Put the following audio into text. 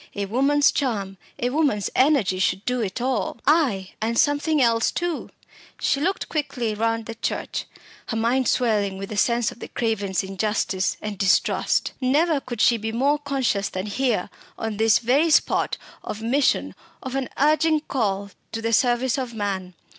A woman's charm, a woman's energy should do it all. Ay, and something else too. She looked quickly round the church, her mind swelling with the sense of the Cravens' injustice and distrust. Never could she be more conscious than here on this very spot of mission, of an urging call to the service of man.